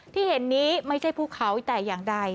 ที่เห็นนี้ไม่ใช่ภูเขาแต่อย่างใด